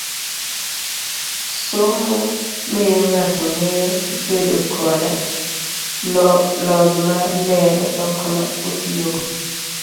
somo miyo ng'ato ngeyo bedo koda lony mar lero dhok ma otigo.